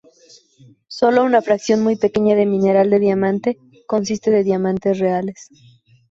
Sólo una fracción muy pequeña de mineral de diamante consiste de diamantes reales.